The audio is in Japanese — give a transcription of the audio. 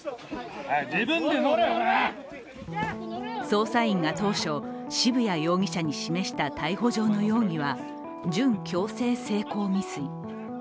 捜査員が当初、渋谷容疑者に示した逮捕状の容疑者は準強制性交未遂。